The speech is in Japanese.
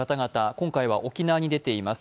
今回は沖縄に出ています。